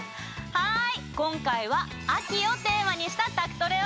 はい！